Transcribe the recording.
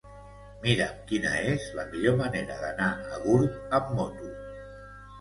Mira'm quina és la millor manera d'anar a Gurb amb moto.